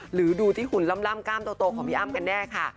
หรือดูที่หุ่นล่ำกล้ามโตของพี่อ้ำกันแน่ค่ะ